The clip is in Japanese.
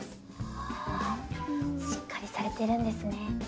はぁしっかりされてるんですね。